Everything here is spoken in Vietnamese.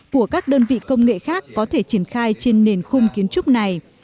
của các đơn vị công nghệ khác có thể triển khai trên nền khung kiến trúc này